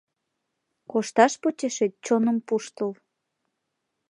Кошташ почешет, чоным пуштыл